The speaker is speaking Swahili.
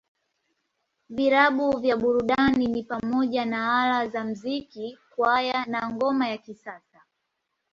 Vilabu vya burudani ni pamoja na Ala za Muziki, Kwaya, na Ngoma ya Kisasa.